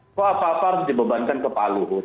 kok apa apa harus dibebankan ke pak luhut